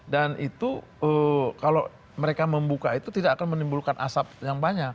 dan itu kalau mereka membuka itu tidak akan menimbulkan asap yang banyak